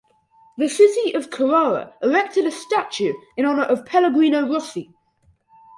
The city of Carrara erected a statue in honour of Pellegrino Rossi.